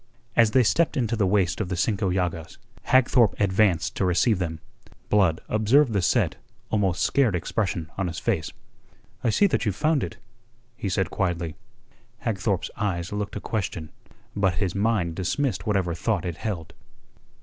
As they stepped into the waist of the Cinco Llagas, Hagthorpe advanced to receive them. Blood observed the set, almost scared expression on his face. "I see that you've found it," he said quietly. Hagthorpe's eyes looked a question. But his mind dismissed whatever thought it held.